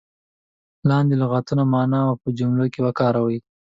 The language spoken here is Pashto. لاندې لغتونه معنا او په جملو کې وکاروئ.